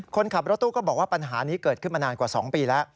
คนขับรถตู้ก็บอกว่าปัญหานี้เกิดขึ้นมานานกว่า๒ปีแล้ว